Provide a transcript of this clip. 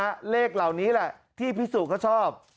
นะฮะเลขเหล่านี้แหละที่พี่สุกก็ชอบ